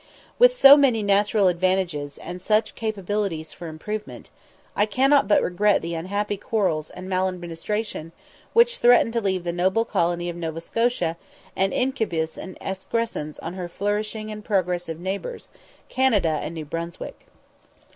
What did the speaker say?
With so many natural advantages, and such capabilities for improvement, I cannot but regret the unhappy quarrels and maladministration which threaten to leave the noble colony of Nova Scotia an incubus and excrescence on her flourishing and progressive neighbours, Canada and New Brunswick.